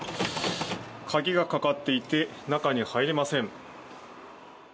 鍵がかかっていて中に入れません。